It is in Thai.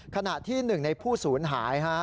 ขณะที่๑ในผู้สูญหาย